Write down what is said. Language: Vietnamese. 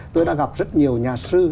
tôi đã gặp rất nhiều nhà sư